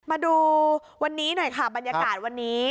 มาดูวันนี้หน่อยค่ะบรรยากาศวันนี้